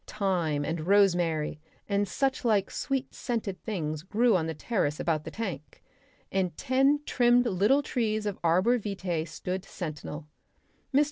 Thyme and rosemary and suchlike sweet scented things grew on the terrace about the tank, and ten trimmed little trees of Arbor vitae stood sentinel. Mr.